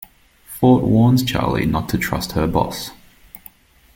Fort warns Charley not to trust her boss.